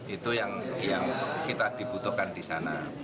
itu yang kita dibutuhkan di sana